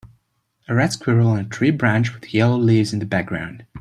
A red squirrel on a tree branch with yellow leaves in the background.